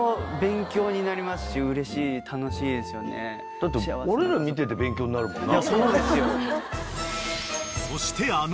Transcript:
だって俺ら見てて勉強になるもんな。